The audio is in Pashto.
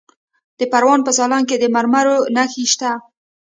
د پروان په سالنګ کې د مرمرو نښې شته.